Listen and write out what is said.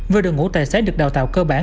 với đội ngũ tài xế được đào tạo cơ bản